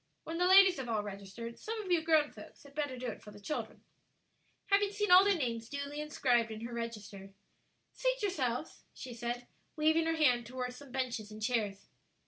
When the ladies have all registered, some of you grown folks had better do it for the children." Having seen all their names duly inscribed in her register, "Seat yourselves," she said, waving her hand toward some benches and chairs.